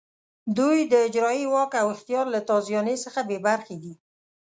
دوی د اجرایې واک او اختیار له تازیاني څخه بې برخې دي.